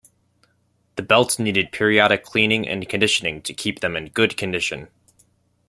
The belts needed periodic cleaning and conditioning to keep them in good condition.